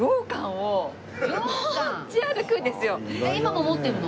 今も持ってるの？